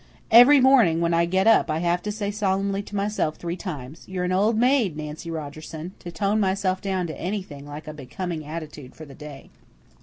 Every morning when I get up I have to say solemnly to myself three times, 'You're an old maid, Nancy Rogerson,' to tone myself down to anything like a becoming attitude for the day."